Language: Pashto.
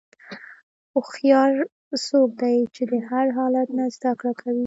هوښیار څوک دی چې د هر حالت نه زدهکړه کوي.